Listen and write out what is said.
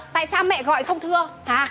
tại sao mẹ gọi không thưa